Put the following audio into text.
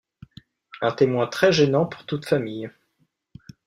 Un témoin très gênant pour toute famille...